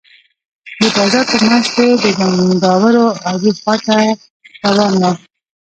د بازار په منځ کښې د زمينداورو اډې خوا ته روان وم.